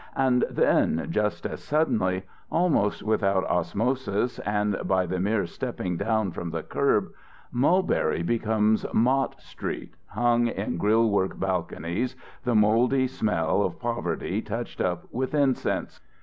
And then, just as suddenly, almost without osmosis and by the mere stepping down from the curb, Mulberry becomes Mott Street, hung in grill work balconies, the mouldy smell of poverty touched up with incense.